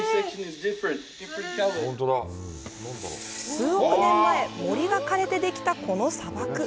数億年前、森が枯れてできたこの砂漠。